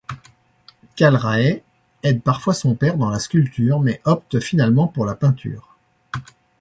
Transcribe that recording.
Calraet aide parfois son père dans la sculpture mais opte finalement pour la peinture.